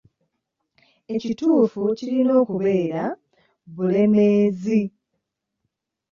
Ekituufu kirina kubeera 'Bulemeezi.'